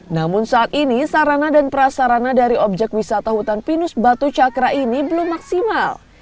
namun saat ini sarana dan prasarana dari objek wisata hutan pinus batu cakra ini belum maksimal